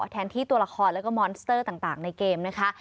แทนที่ตัวละครแล้วก็มอนสเตอร์ต่างในเกมนะคะ